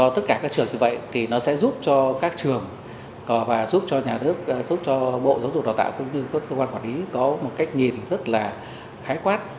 tất cả các trường như vậy thì nó sẽ giúp cho các trường và giúp cho nhà nước giúp cho bộ giáo dục đào tạo cũng như các cơ quan quản lý có một cách nhìn rất là khái quát